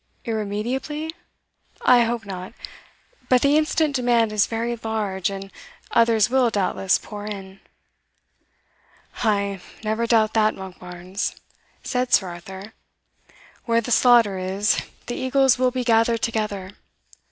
"Irremediably? I hope not but the instant demand is very large, and others will, doubtless, pour in." "Ay, never doubt that, Monkbarns," said Sir Arthur; "where the slaughter is, the eagles will be gathered together.